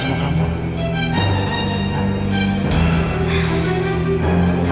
kamu gak perlu minta maaf sekali